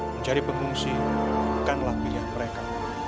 mencari pengungsi bukanlah pilihan mereka